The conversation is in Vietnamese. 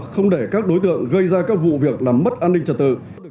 không để các đối tượng gây ra các vụ việc làm mất an ninh trật tự